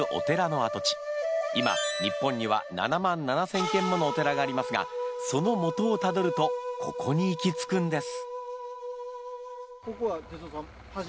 今日本には７万７０００軒ものお寺がありますがそのモトをタドルとここに行き着くんです。